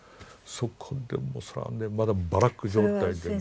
そこでもうまだバラック状態でね。